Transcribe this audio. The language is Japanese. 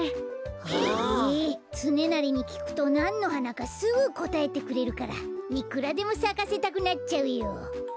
へえつねなりにきくとなんのはなかすぐこたえてくれるからいくらでもさかせたくなっちゃうよ。